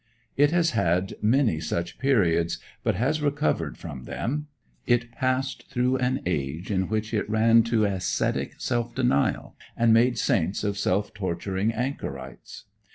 It has had many such periods, but has recovered from them. It passed through an age in which it ran to ascetic self denial, and made saints of self torturing anchorites.